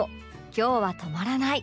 今日は止まらない！